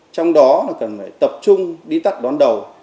trong đó cần phải tập trung đi tắt đón đầu